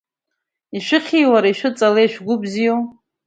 Ишәыхьи, уара, ишәыҵалеи, шәгәы бзиоу?!